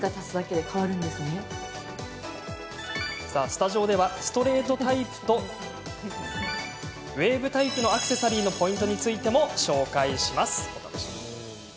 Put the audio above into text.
スタジオではストレートタイプとウエーブタイプのアクセサリーのポイントについても紹介します。